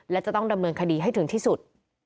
และจะต้องดำเนินคดีให้ถึงที่สุด